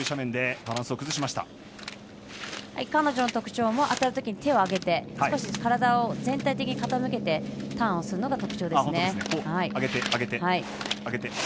彼女の特徴も当たるときに手を上げて少し体を全体的に傾けてターンをするのが特徴です。